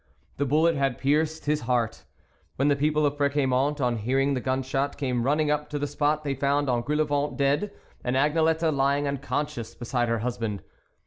The bullet had pierced his heart. When the people of Peciamont, on hearing the gun shot, came running up to the spot, they found Engoulevent dead, and Agnelette lying unconscious beside her husband.